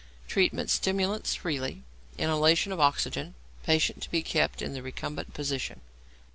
Treatment. Stimulants freely, inhalation of oxygen, patient to be kept in the recumbent position.